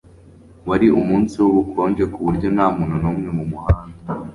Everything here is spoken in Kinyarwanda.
wari umunsi wubukonje kuburyo ntamuntu numwe mumuhanda